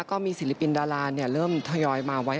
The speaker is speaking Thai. ก็มีศิลปินดาราเริ่มทยอยมาไว้